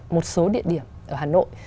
một số địa điểm ở hà nội